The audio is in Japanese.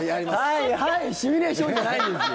ハイ、ハイシミュレーション！じゃないんですよ。